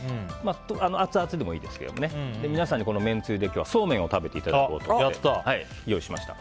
アツアツでもいいですけど皆さんに、このめんつゆでそうめんを食べていただこうと用意しました。